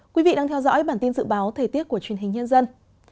quý vị đang theo dõi bản tin dự báo thời tiết của truyền hình nhân dân